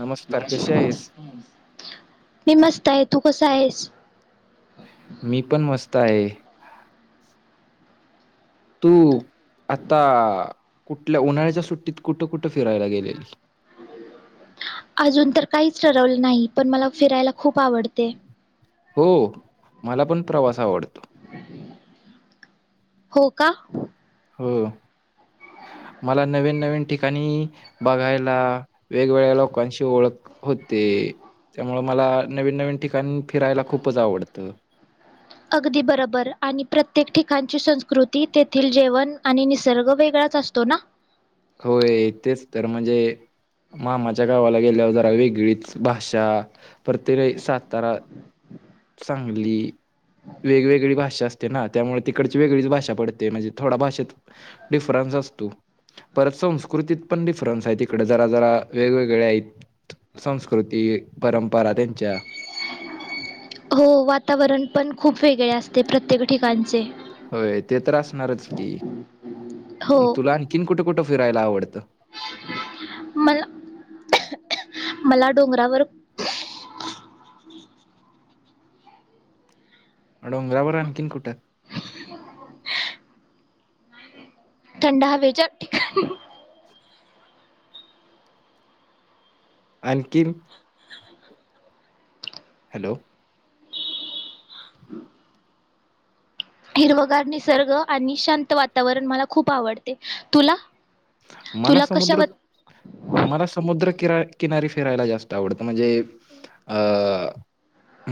नमस्कार कशी आहेस? मी मस्त आहे तू कस- कसा‌ आहेस? मी पण मस्त आहे. तू- आता- कुठल्या? उन्हाळ्याच्या सुट्टीत कुठं कुठं फिरायला गेलेली. अजून तर काहीच ठरवलं नाही पण मला फिरायला खूप आवडते. हो, मला पण प्रवास आवडतो. हो कां? हो, मला नवीन नवीन ठिकाणी बघायला, वेगवेगळ्या लोकांशी ओळख होतें, त्यामुळ मला नवीन नवीन ठिकाणी फिरायला खूपच आवडत. अगदी बरोबर आणि प्रत्येक ठिकाणची संस्कृती, तेथील जेवण आणि निसर्ग वेगळाच असतो नां? होय, तेच तर म्हणजे मामाच्या गावाला गेल्यावर जरा वेगळीच भाषा [unintelligible] सातारा- सांगली, वेगवेगळी भाषा असते नां? त्यामुळे तिकडची वेगळीच भाषा पडते, म्हणजे थोड्या भाषेत डिफरन्स असतो, परत संस्कृतीत पण डिफरन्स आहे तिकडे जरा जरा वेगवेगळ्या आहेत संस्कृती परंपरा त्यांच्या. हो, वातावरण पण खूप वेगळे असते प्रत्येक ठिकाणचे. होय ते तर असणारच हो की- तुला आणखीन कुठं कुठं फिरायला आवडतं. मला, मला डोंगरावर डोंगरावर आणखीन कुठं? थंड हवेच्या ठिकाणी. आणखीनं? हॅलो. हिरवगार निसर्ग आणि शांत वातावरण मला खूप आवडते, तुला? मला तुला समुद्र, कशावर -मला समुद्र किरा [unintelligible] किनारी फिरायला जास्त आवडतं. म्हणजे अं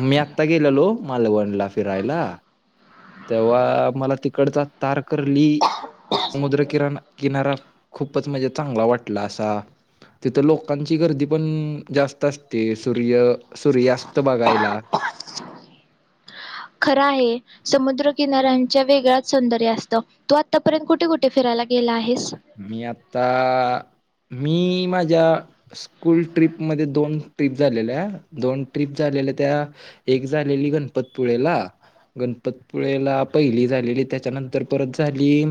मी आत्ता गेलेलो- मालवणला फिरायला, तेव्हा- मला तिकडचा तारकरली समुद्र किरण किनारा- खूपच म्हणजे चांगला वाटला असा, तिथं लोकांची गर्दी पण जास्त असते सूर्य सूर्यास्त- त बघायला. खरं आहे समुद्रकिनाऱ्यांच्या वेगळच सौंदर्य असतं, तू आतापर्यंत कुठे कुठे फिरायला गेला आहेस? मी आत्ता- मी माझ्या स्कूल ट्रीपमध्ये दोन ट्रीप झालेल्या, दोन ट्रीप झालेल्या त्या एक झालेली गणपतपुळेला, गणपतपुळेला पहिली झालेली त्याच्यानंतर परत झाली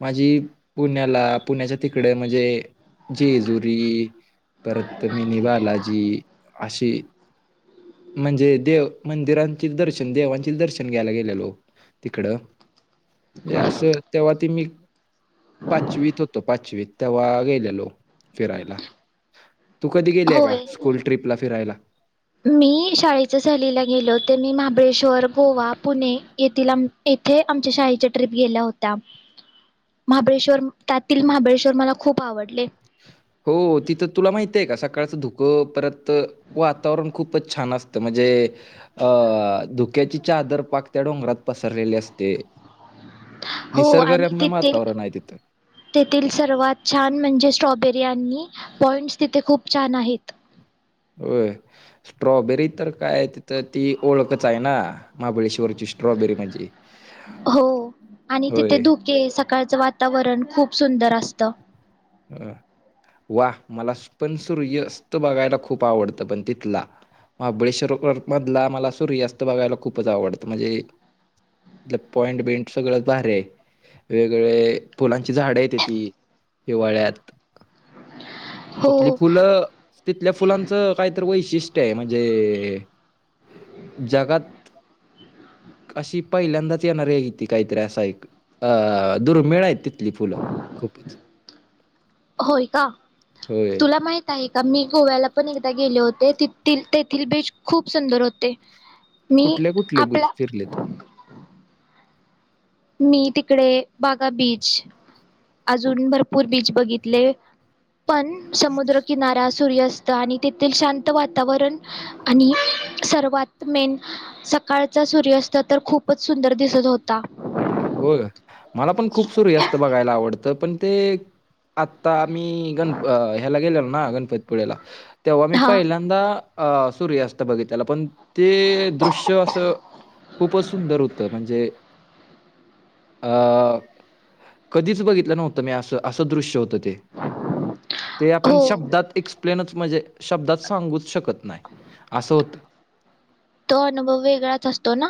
माझी- पुण्याला पुण्याच्या तिकडे म्हणजे जेजुरी परत मिनी बालाजी अशे- म्हणजे देव मंदिरांचे दर्शन, देवांचे दर्शन घ्यायला गेलेलो तिकड, म्हणजे असं तेव्हा ते मी पाचवीत होतो पाचवीत तेव्हा गेलेलो फिरायला. तू कधी गेलीय का? होय. स्कूल ट्रिपला फिरायला. मी शाळेच्या सहलीला गेले होते मी महाबळेश्वर, गोवा, पुणे येथील आम येथे आमच्या शाळेच्या ट्रिप गेल्या होत्या. महाबळेश्वर त्यातील महाबळेश्वर मला खूप आवडले. हो तिथं तुला माहितय का, सकाळचं धुकं परत वातावरण खूपच छान असतं. म्हणजे अं धुक्याची चादर पाक त्या डोंगरात पसरलेली असते. हो आणि निसर्गरम्य तिथे वातावरण आहे तिथं तेथील सर्वात छान म्हणजे स्ट्रॉबेरी [unintelligible] पॉइंट्स तिथे खूप छान आहेत. हं स्ट्रॉबेरी तर काय तिथं ती ओळखच आहे ना महाबळेश्वरची स्ट्रॉबेरी म्हणजे, हो. आणि तिथे होय. धुके, त अं वा मला पण सूर्यस्त बघायला खूप आवडतं. पण तिथला महाबळेश्वर मधला मला सूर्यास्त बघायला खूपच आवडतं. म्हणजे पॉइंट बिंट सगळंच भारी आहे वेगवेगळे फुलांची झाडे येतेती हिवाळ्यात हो. तिथली फुलं तिथल्या फुलांच काहीतरी वैशिष्ट्य आहे म्हणजे जगात अशी पहिल्यांदाच येणार आहे क ती काहीतरी असा एक अ दुर्मिळ आहे तिथली फुलं खूपच. होय का होय तुला माहित आहे का मी गोव्याला पण एकदा गेले होते. तिथील तेथील बीच खूप सुंदर होते. मी कुठले कुठले आपला बुच फिरलेत. मी तिकडे बागा बीच अजून भरपूर बीच बघितले. पण समुद्रकिनारा सूर्य आणि तेथील शांत वातावरण आणि सर्वात मेन सकाळचा सूर्यस्त तर खूपच सुंदर दिसत होता. होय.. मला पण खूप सूर्यास्त बघायला आवड पण ते आता आम्ही गण ह्याला गेलेलो ना गणपतीपुळेला तेव्हा मी हा पहिल्यांदा अ सूर्यास्त बघितलेला पण ते दृश्य असं खूपच सुंदर होतं म्हणजे अ कधीच बघितलं नव्हतं मी असं असं दृश्य होतं. ते आपण हो शब्दात एक्सप्लेनच म्हणजे शब्दात सांगूच शकत नाही असं होत. तो अनुभव वेगळाच असतो ना.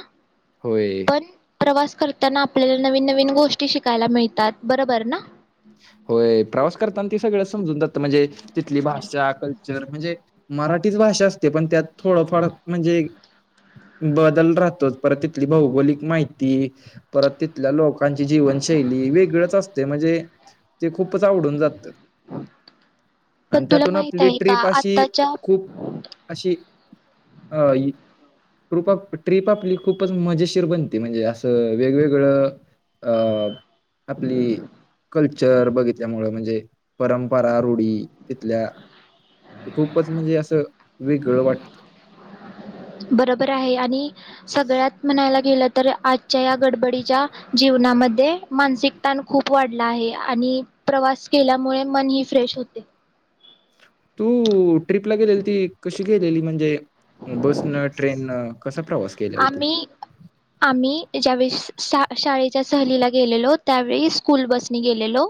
होय. पण प्रवास करताना आपल्याला नवीन नवीन गोष्टी शिकायला मिळतात बरोबर ना. होय प्रवास करताना ती सगळं समजून जात म्हणजे तिथली भाषा कल्चर म्हणजे मराठीच भाषा असते पण त्यात थोडं फार म्हणजे बदल राहतोच. परत तिथली भौगोलिक माहिती परत तिथल्या लोकांची जीवनशैली वेगळच असतय म्हणजे ते खूपच आवडून जात. पण आणि तुला त्यातून माहित आपली आहे का ट्रिप अशी आत्ताच्या खूप अशी अ टुप ट्रिप आपली खूपच मजेशीर बनते. म्हणजे असं वेगवेगळं अ आपली कल्च चर बघितल्यामु म्हणजे परंपरा रूढी तिथल्या खूपच म्हणजे असं वेगळं वाटत. बरोबर आहे आणि सगळ्यात म्हणायला गेलं तर आजच्या या गडबडीच्या जीवनामध्ये मानसिक ताण खूप वाढला आहे आणि प्रवास केल्यामुळे मनही फ्रेश होते. तू ट्रिपला गेलेली ती कशी गेलीली म्हणजे बसन, ट्रेनन आम्ही आम्ही ज्यावेळेस शाळे शाळे च्या सहलीला गेलेलो त्यावेळी स्कूल बसनी गेलेलो.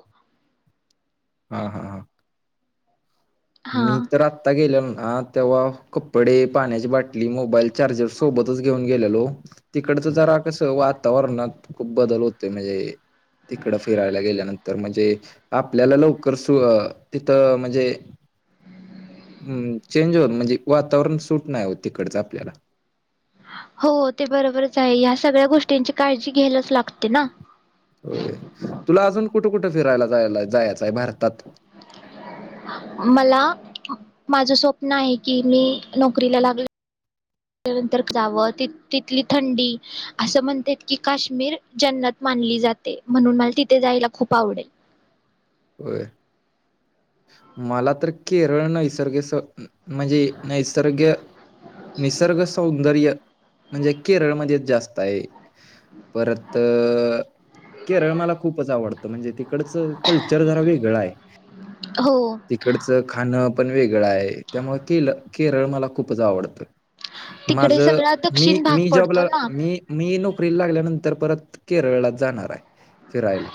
हा हा हा हा मी तर आत्ता गेले हा तेव्हा कपडे, पाण्याची बाटली, मोबाईल, चार्जर सोबतच घेऊन गेलेलो तिकडच जरा कसं वातावरणात खूप बदल होतोय म्हणजे तिकड फिरायला गेल्यानंतर म्हणजे आपल्याला लवकर सु तिथं म्हणजे हम् चेंज होन म्हणजे वातावरण सूट नाही होत तिकडच आपल्याला हो ते बरोबरच आहे ह्या सगळ्या गोष्टींची काळजी घ्यायलाच लागते ना होय तुला अजून कुठं कुठं फिरायला जायाला जायचंय भारतात मला माझं स्वप्न आहे कि मी नोकरीला लागल्या नंतर जावं, तिथली थंडी असं म्हणतेत की काश्मीर जन्नत मानली जाते म्हणून मला तिथे जायला खूप आवडेल. होय मला तर केरळ नैसर्ग म्हणजे नैसर्ग निसर्ग सौंदर्य म्हणजे केरळमध्येच जास्त आहे. परत अ केरळ मला खूपच आवडतं म्हणजे तिकडच विचार जरा वेगळाय हो तिकडच खाणं पण वेगळं आहे त्यामुळे केल केरळ मला खूपच आवडत. माझ तिकडे सगळा मी दक्षिण भाग मी पडतो जॉबला ना मी मी नोक एप्रिल लागल्यानंतर परत केरळलाच जाणार आहे. फिरायला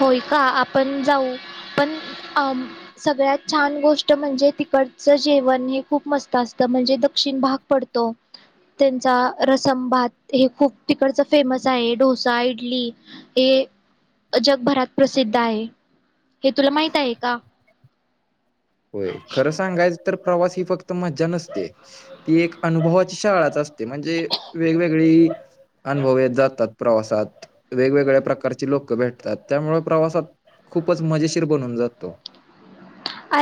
होय का आपण जाऊ पण अ सगळ्यात छान गोष्ट म्हणजे तिकडचं जेवण हे खूप मस्त असतं म्हणजे दक्षिण भाग पडतो, त्यांचा रसम भात हे खूप तिकडच फेमस आहे डोसा, इडली हे जगभरात प्रसिद्ध आहे. हे तुला माहित आहे का? होय खरं सांगायच तर प्रवास ही फक्त मज्जा नसते, ती एक अनुभवाची शाळाचा असत ते म्हणजे वेगवेगळी अनुभव येत जातात प्रवासात वेगवेगळ्या प्रकारचे लोक भेटतात, त्यामुळे प्रवासात खूपच मजेशीर बनून जातो.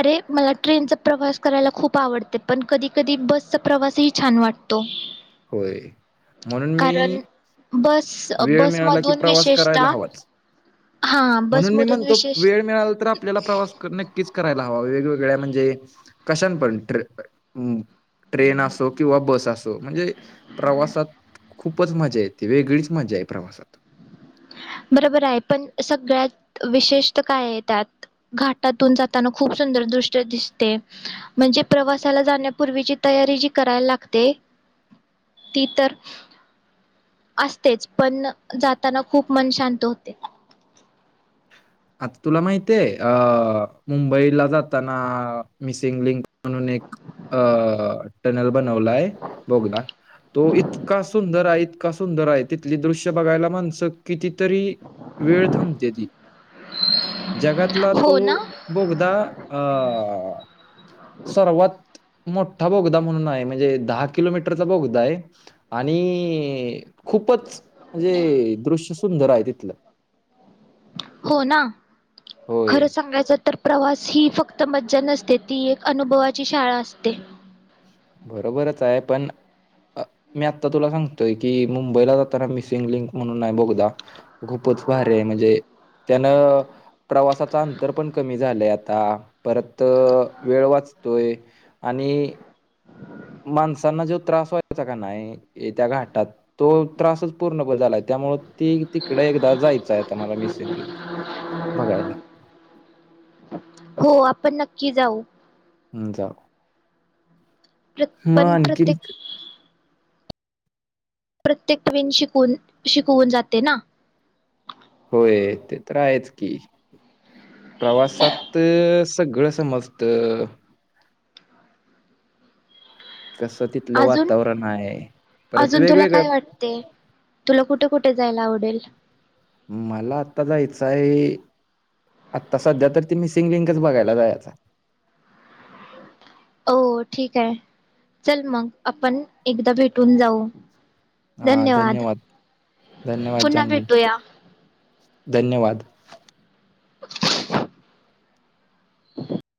ते मला ट्रेनचा प्रवास करायला खूप आवडते, पण कधी कधी बसचा प्रवासही छान वाटतो. होय म्हणून कारण मी बस वेळ मिळाला की बसमधून प्रवास करायला विशेषतः हवाच हा म्हणून मी बसमधून म्हणतो विशेष वेळ मिळाला तर आपल्याला प्रवास नक्कीच करायला हवा वेगवेग वेळ्या म्हणजे कशान पण ट्रेन असो किंवा बस असो म्हणजे प्रवासात खूपच मजा येते वेगळीच मजा आहे प्रवासात बरोबर आहे पण सगळ्यात विशेष्ट काय आहे त्यात घाटातून जाताना खूप सुंदर दृष्ट दिसते म्हणजे प्रवासाला जाण्यापूर्वीची तयारी जी करायला लागते ती तर आसतेच पण जाताना खूप मन शांत होते. आता तुला माहिती हे अ मुंबईला जाताना मिसिंग लिंक म्हणून एक अ [unintelligible] बनवलाय बोगदा तो इतका सुंदर आहे. इतका सुंदर हाय तिथली दृश्य बघायला माणसं कितीतरी वेळ थांबत्याती. जगातला तू हो ना बोगदा अं सर्वात मोठा बोगदा म्हणून आहे. म्हणजे दहा किलोमीटरचा बोगदा आहे. आणि खूपच म्हणजे दृश्य सुंदर आहे तिथलं. हो ना. होय खरं सांगायचं तर, प्रवास ही फक्त मज्जा नसते. ती एक अनुभवाची शाळा असते. बरोबरच आहे पण मी आता तुला सांगतोय कि मुंबईला जाताना मिसिंग लिंक म्हणून आहे बोगदा खूपच भारी आहे म्हणजे त्यानं प्रवासाच अंतर पण कमी झालंय आता परत वेळ वाचतोय आणि माणसांना जो त्रास व्हायचा काय नाय त्या घाटात तो त्रासच पूर्णप झालाय. त्यामुळ ती तिकड एकदा जायचं आहे. आता मला मिसिंग लिंकला बघायला. हो आपण नक्की जाऊ. हुं जाऊ. प्रत्येक मग आणखीन पण प्रत्येक [unintelligible] शिकवून शिकवून जाते ना. होय ते तर आहेच की. प्रवासात सगळं समस्त कसं तिथलं आजून वातावरण आहे परत आजून तुला वेगवेगळं काय वाटतय तुला कुठ कुठ जायायला आवडेल. मला आता जायचं आहे आता सध्या तर ती मिसिंग लिंकच बघायला जायच आहे. हो ठीक आहे चल मग आपण एकदा भेटून जाऊ. धन्यवाद धन्यवाद पुन्हा जान्हवी भेटूया. धन्यवाद. [inaudible] [inaudible]